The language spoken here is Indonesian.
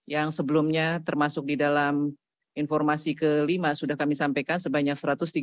yang sebelumnya termasuk di dalam informasi ke lima sudah kami sampaikan sebanyak satu ratus tiga puluh tiga